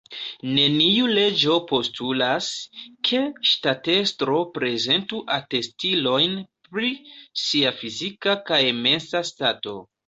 Neniu leĝo postulas, ke ŝtatestro prezentu atestilojn pri sia fizika kaj mensa stato.